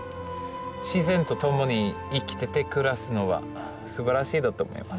自然と共に生きてて暮らすのはすばらしいだと思いますね。